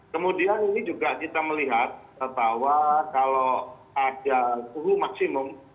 kemudian ini juga kita melihat bahwa kalau ada suhu maksimum